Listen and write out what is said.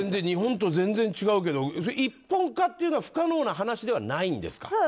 日本と全然違うけど一本化っていうのは不可能な話ではないんですか。